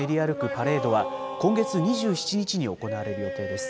パレードは、今月２７日に行われる予定です。